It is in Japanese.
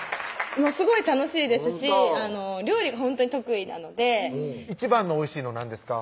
すごい楽しいですし料理がほんとに得意なので一番のおいしいの何ですか？